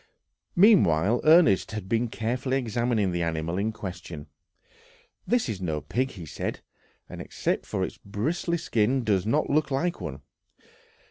Meanwhile Ernest had been carefully examining the animal in question. "This is no pig," he said; "and except for its bristly skin, does not look like one.